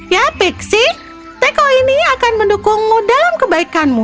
ya pixi teko ini akan mendukungmu dalam kebaikanmu